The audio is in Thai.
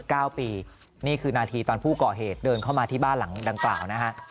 นี่คือนาฬิตั๋วโดมนาทีตอนผู้ก่อเหตุเดินคลอบมาที่บ้านหลังดังปลาว